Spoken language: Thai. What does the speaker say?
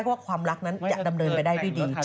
เพราะว่าความรักนั้นจะดำเนินไปได้ดี